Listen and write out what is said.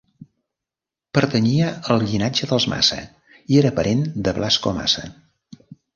Pertanyia al llinatge dels Maça i era parent de Blasco Maça.